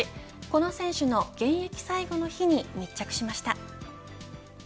この選手の現役最後の日に密着しました。